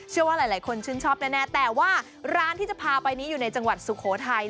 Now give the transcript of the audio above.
เชื่อว่าหลายคนชื่นชอบแน่แต่ว่าร้านที่จะพาไปนี้อยู่ในจังหวัดสุโขทัย